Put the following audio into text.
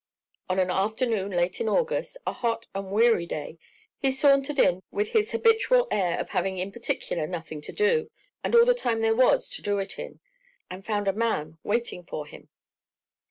On an afternoon late in August, a hot and weary day, he sauntered in with his habitual air of having in particular nothing to do and all the time there was to do it in, and found a man waiting for him.